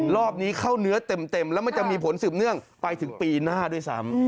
รอบนี้เข้าเนื้อเต็มแล้วมันจะมีผลสืบเนื่องไปถึงปีหน้าด้วยซ้ำ